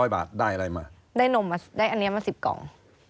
๒๔๐๐บาทได้อะไรมาได้เนิ่มมา๑๐กล่อง